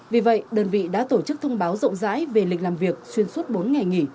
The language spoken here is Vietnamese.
vì vậy đơn vị đã tổ chức thông báo rộng rãi về lịch làm việc xuyên suốt bốn ngày nghỉ